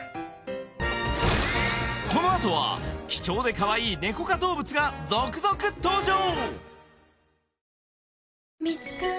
このあとは貴重でかわいいネコ科動物が続々登場！